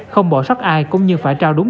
không bỏ sót ai cũng như phải trao đúng